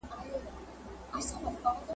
نن له سرو میو نشې تللي دي مستي ویده ده !.